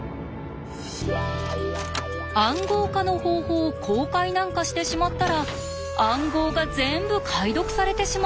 「暗号化の方法」を公開なんかしてしまったら暗号が全部解読されてしまう！